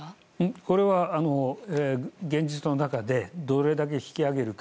これは、現実の中でどれだけ引き上げるか。